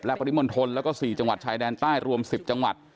ปริมณฑลแล้วก็๔จังหวัดชายแดนใต้รวม๑๐จังหวัด